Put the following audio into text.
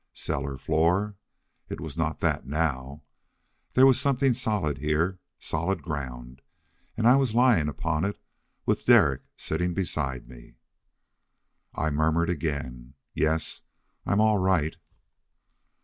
Cellar floor! It was not that now. Yet there was something solid here, a solid ground, and I was lying upon it, with Derek sitting beside me. I murmured again, "Yes, I'm all right."